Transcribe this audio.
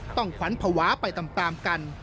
ขวัญภาวะไปตามกัน